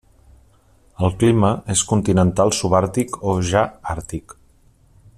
El clima és continental subàrtic o ja àrtic.